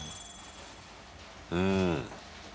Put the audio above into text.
うん。